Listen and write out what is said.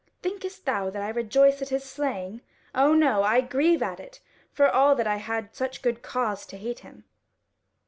Thinkest thou that I rejoice at his slaying? O no! I grieve at it, for all that I had such good cause to hate him."